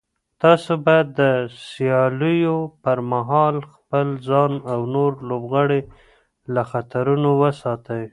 تاسو باید د سیالیو پر مهال خپل ځان او نور لوبغاړي له خطرونو وساتئ.